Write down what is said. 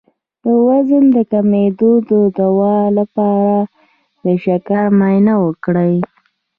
د وزن د کمیدو د دوام لپاره د شکر معاینه وکړئ